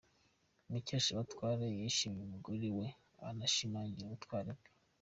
Mukeshabatware yashimye umugore we anashimangira ubutwari bwe.